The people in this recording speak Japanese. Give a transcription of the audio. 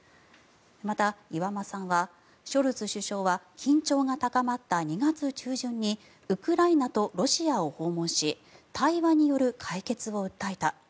また、岩間さんはショルツ首相は緊張が高まった２月中旬にウクライナとロシアを訪問し対話による解決を訴えた。